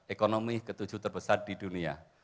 ekonomi ke tujuh terbesar di dunia